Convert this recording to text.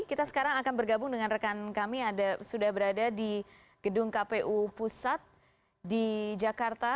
kita sekarang akan bergabung dengan rekan kami sudah berada di gedung kpu pusat di jakarta